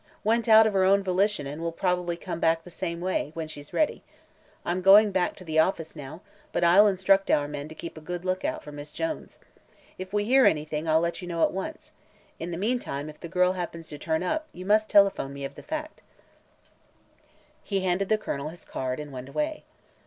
Went out of her own volition and will probably come back the same way, when she's ready. I'm going back to the office now, but I'll instruct our men to keep a good lookout for Miss Jones. If we hear anything, I'll let you know at once. In the meantime, if the girl happens to turn up, you must telephone me of the fact." He handed the Colonel his card and went away.